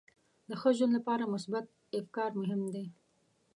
د ښه ژوند لپاره مثبت افکار مهم دي.